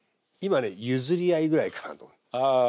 今ね譲り合いぐらいかなと。